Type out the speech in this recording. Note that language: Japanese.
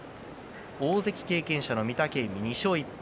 大関経験者の御嶽海、２勝１敗。